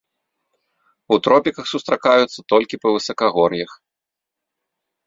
У тропіках сустракаюцца толькі па высакагор'ях.